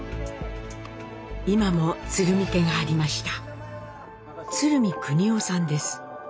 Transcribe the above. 今も鶴見家がありました。